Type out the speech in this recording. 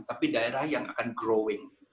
tapi daerah yang akan growing